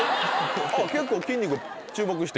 結構筋肉注目して。